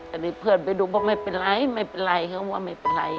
แต่นี่เพื่อนไปดูบอกไม่เป็นไรไม่เป็นไรเขาก็ว่าไม่เป็นไร